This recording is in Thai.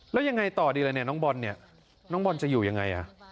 แล้วยังไงต่อดีแล้วเนี่ยน้องบอลเนี่ยน้องบอลจะอยู่ยังไง